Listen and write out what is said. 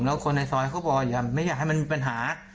แล้วคนในซอยเขาบอกอย่าไม่อยากให้มันมีปัญหา